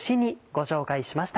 ご紹介しました。